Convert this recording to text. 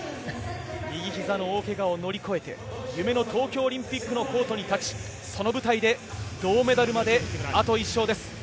右ひざの大けがを乗り越えて夢の東京オリンピックの舞台に立ちその舞台で銅メダルまであと１勝です。